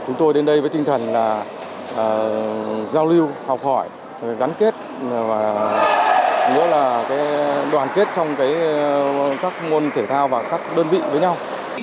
chúng tôi đến đây với tinh thần giao lưu học hỏi đoàn kết trong các ngôn thể thao và các đơn vị với nhau